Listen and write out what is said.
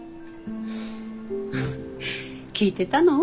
聞いてたの？